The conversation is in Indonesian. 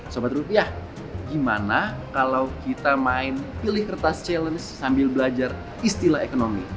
sobat rupiah gimana kalau kita main pilih kertas challenge sambil belajar istilah ekonomi